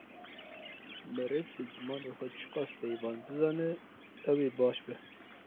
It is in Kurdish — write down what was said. Meriv bi zimanê xwe çi qas peyvan bizane ew ê baş be.